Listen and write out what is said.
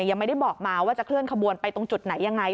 ยังไม่ได้บอกมาว่าจะเคลื่อนขบวนไปตรงจุดไหนยังไง